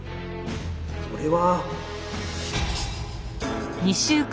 それは。